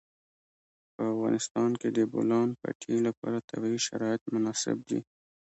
په افغانستان کې د د بولان پټي لپاره طبیعي شرایط مناسب دي.